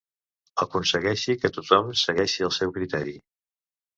Aconsegueixi que tothom segueixi el seu criteri.